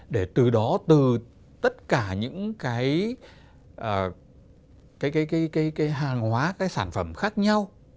để từ đó từ tất cả những hàng hóa sản phẩm khác nhau